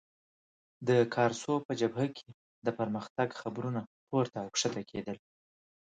د کارسو په جبهه کې د پرمختګ خبرونه پورته او کښته کېدل.